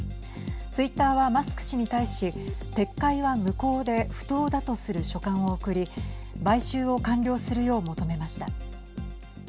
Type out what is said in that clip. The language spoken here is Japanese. ツイッターは、マスク氏に対し撤回は無効で不当だとする書簡を送り買収を完了するよう求めました。